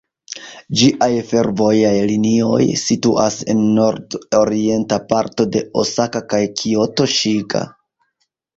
Ĝiaj fervojaj linioj situas en nord-orienta parto de Osaka kaj Kioto, Ŝiga.